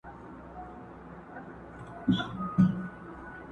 نه ستا زوی سي تر قیامته هېرېدلای!!